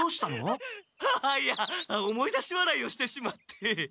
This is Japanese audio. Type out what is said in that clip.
あいや思い出し笑いをしてしまって。